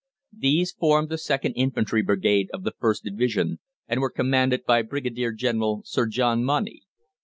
These formed the second infantry brigade of the 1st Division, and were commanded by Brigadier General Sir John Money.